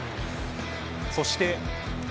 そして。